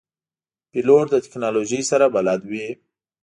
پیلوټ د تکنالوژۍ سره بلد وي.